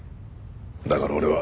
だから俺は。